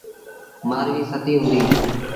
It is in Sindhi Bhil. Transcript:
مآرويٚ ستيٚ هُݩديٚ۔